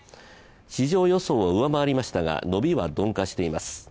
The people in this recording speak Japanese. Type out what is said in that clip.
市場予想は上回りましたが伸びは鈍化しています。